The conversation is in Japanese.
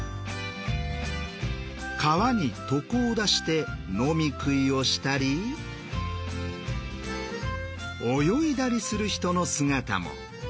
川に床を出して飲み食いをしたり泳いだりする人の姿も。